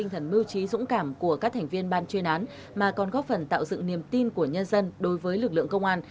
mưu trí dũng cảm của các thành viên ban chuyên án mà còn góp phần tạo dựng niềm tin của nhân dân đối với lực lượng công an